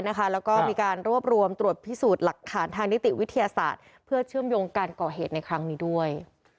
แล้วก็มีการรวบรวมตรวจพิสูจน์หลักฐานทางนิติวิทยาศาสตร์เพื่อเชื่อมโยงการก่อเหตุในครั้งนี้ด้วย